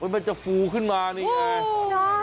มันจะฟูขึ้นมานี่ไง